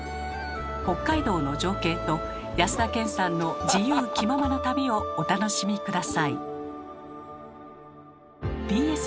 北海道の情景と安田顕さんの自由気ままな旅をお楽しみ下さい。